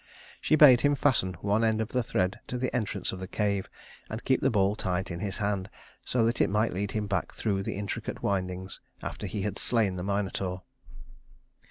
She bade him fasten one end of the thread to the entrance of the cave, and keep the ball tight in his hand, so that it might lead him back through the intricate windings after he had slain the Minotaur.